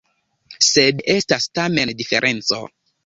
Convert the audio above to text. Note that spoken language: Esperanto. Sed estas tamen diferenco.